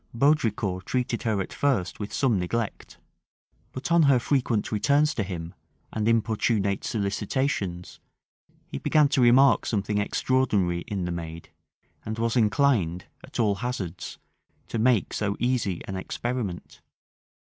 Baudricourt treated her at first with some neglect; but on her frequent returns to him, and importunate solicitations, he began to remark something extraordinary in the maid, and was inclined, at all hazards, to make so easy an experiment.